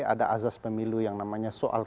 ada azas pemilu yang namanya soal